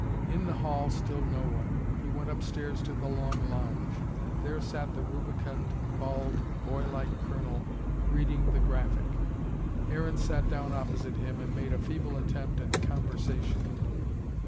In the hall still no one. He went upstairs to the long lounge. There sat the rubicund, bald, boy like Colonel reading the Graphic. Aaron sat down opposite him, and made a feeble attempt at conversation.